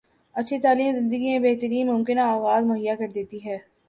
اچھی تعلیم زندگی میں بہترین ممکنہ آغاز مہیا کردیتی ہے